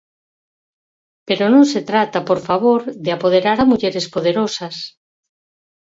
Pero non se trata, por favor, de apoderar a mulleres poderosas.